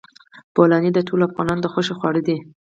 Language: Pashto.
بولاني د ټولو افغانانو د خوښې خواړه دي.